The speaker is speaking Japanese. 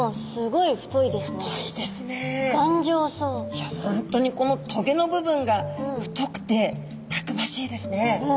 いや本当にこの棘の部分が太くてたくましいですね。